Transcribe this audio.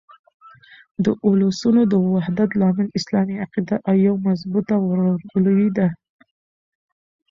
د اولسو د وحدت لامل اسلامي عقیده او یوه مضبوطه ورورګلوي ده.